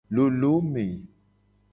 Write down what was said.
Lolome.